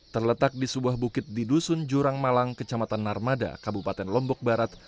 terletak di sebuah bukit di dusun jurang malang kecamatan narmada kabupaten lombok barat